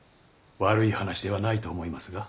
悪い話ではないと思いますが。